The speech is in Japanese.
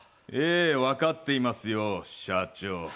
わかっていますよ、社長。